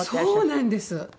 そうなんです。